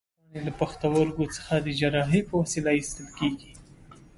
اوس هم غټ کاڼي له پښتورګو څخه د جراحۍ په وسیله ایستل کېږي.